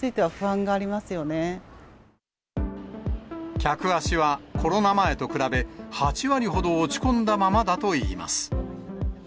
客足はコロナ前と比べ、８割ほど落ち込んだままだといいます。